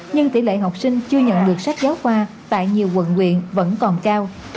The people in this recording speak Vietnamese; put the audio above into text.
nhưng tỷ lệ học sinh chưa nhận được sách giáo khoa tại nhiều quận nguyện vẫn còn cao